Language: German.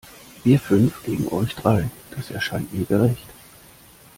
Wir fünf gegen euch drei, das erscheint mir gerecht.